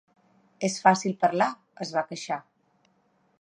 "És fàcil parlar", es va queixar.